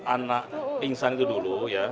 anak pingsan itu dulu ya